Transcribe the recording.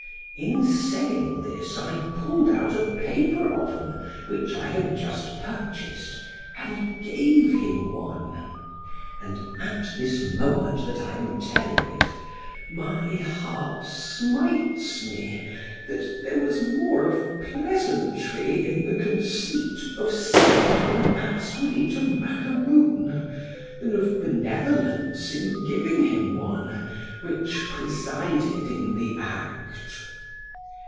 ——In saying this, I pull'd out a paper of 'em, which I had just purchased, and gave him one—and at this moment that I am telling it, my heart smites me, that there was more of pleasantry in the conceit, of seeing how an ass would eat a macaroon——than of benevolence in giving him one, which presided in the act.